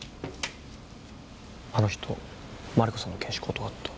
あの人マリコさんの検視断った。